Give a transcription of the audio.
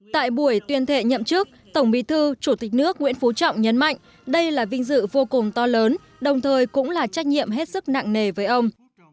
tại buổi tuyên thệ nhậm chức tổng bí thư chủ tịch nước nguyễn phú trọng nhấn mạnh đây là vinh dự vô cùng to lớn đồng thời cũng là trách nhiệm hết sức nặng nề với ông